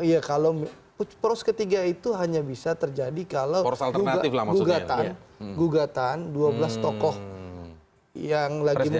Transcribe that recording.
iya kalau poros ketiga itu hanya bisa terjadi kalau gugatan dua belas tokoh yang lagi muncul